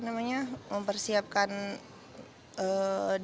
dan mempersiapkan untuk mencapai kemampuan yang terakhir